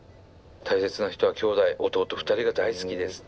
「大切な人はきょうだい弟２人が大好きです」。